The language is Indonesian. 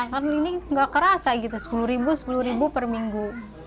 karena ini nggak kerasa gitu sepuluh ribu sepuluh sepuluh ribu per minggu